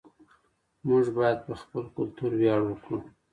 موږ باید په خپل کلتور ویاړ وکړو.